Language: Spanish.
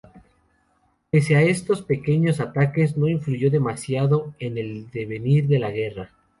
Pese a estos pequeños ataques no influyó demasiado en el devenir de la guerra.